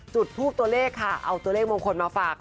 จุดทูปตัวเลขค่ะเอาตัวเลขมงคลมาฝาก